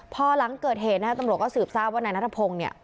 พอหลังเกิดเหตุนะฮะตำรวจก็สืบทราบว่านายนัทพงศ์เนี่ย